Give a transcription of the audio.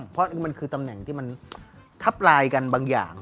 เพราะมันคือตำแหน่งที่มันทับลายกันบางอย่าง